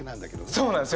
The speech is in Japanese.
そうなんですよ！